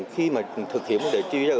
khi mà thực hiện vấn đề